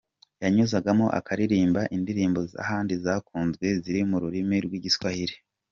yanyuzagamo akaririmba indirimbo z’abandi zakunzwe ziri mu rurimi rw’Igiswahili